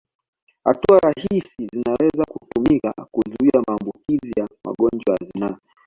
Hatua rahisi zinaweza kutumika kuzuia maambukizi ya magonjwa ya zinaa